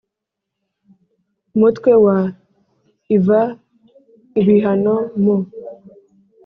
Umutwe wa iv ibihano mu